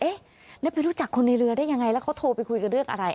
เอ๊ะแล้วไปรู้จักคนในเรือได้ยังไงแล้วเขาโทรไปคุยกันเรื่องอะไร